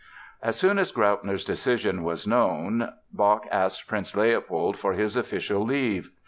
As soon as Graupner's decision was known, Bach asked Prince Leopold for his official leave.